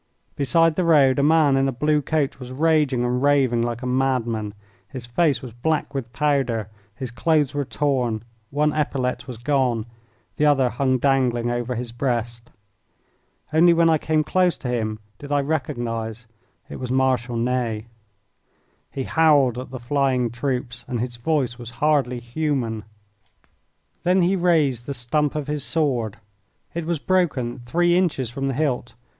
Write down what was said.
Beside the road a man in a blue coat was raging and raving like a madman. His face was black with powder, his clothes were torn, one epaulette was gone, the other hung dangling over his breast. Only when I came close to him did I recognise that it was Marshal Ney. He howled at the flying troops and his voice was hardly human. Then he raised the stump of his sword it was broken three inches from the hilt.